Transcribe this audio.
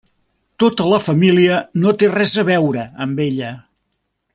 Tota la família no té res a veure amb ella.